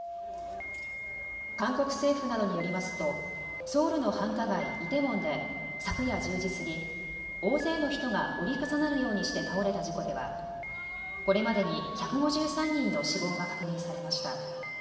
韓国政府などによりますとソウルの繁華街、イテウォンで昨夜１０時過ぎ、大勢の人が折り重なるようにして倒れた事故ではこれまでに１５３人の死亡が確認されました。